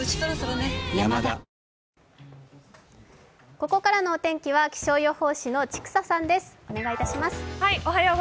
ここからのお天気は気象予報士の千種さんです。